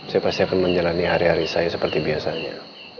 saya pasti akan menjalani hari hari saya seperti biasanya